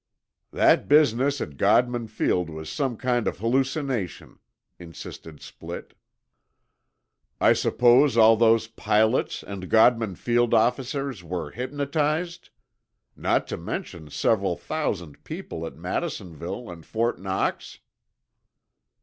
"That business at Godman Field was some kind of hallucination," insisted Splitt. "I suppose all those pilots and Godman Field officers were hypnotized? Not to mention several thousand people at Madisonville and Fort Knox?"